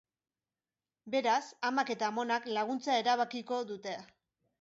Beraz, amak eta amonak laguntzea erabakiko dute.